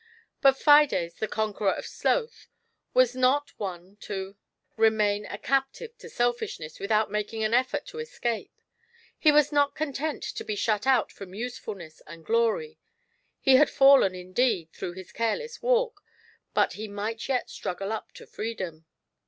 But Fides, the conqueror of Sloth, was not one to 46 GIANT SELFISHNESS. remain a captive to Selfishness without making an effort to escape. He was not content to be shut out from usefuhiess and glory ; he had fallen, indeed, through his careless walk, but he might yet struggle up to freedom.